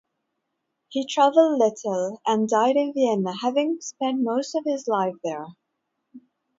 He traveled little, and died in Vienna having spent most of his life there.